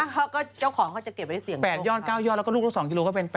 ก็เจ้าของเขาจะเก็บไว้เสี่ยง๘ยอด๙ยอดแล้วก็ลูกละ๒กิโลก็เป็น๘๐